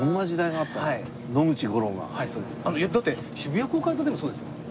だって渋谷公会堂でもそうですよ。